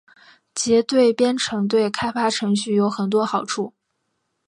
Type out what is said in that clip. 结对编程对开发程序有很多好处。